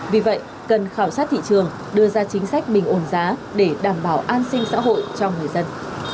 vì vậy cần khảo sát thị trường đưa ra chính sách bình ổn giá để đảm bảo an sinh xã hội cho người dân